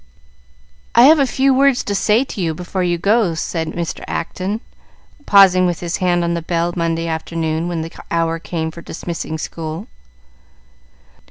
"I have a few words to say to you before you go," said Mr. Acton, pausing with his hand on the bell, Monday afternoon, when the hour came for dismissing school.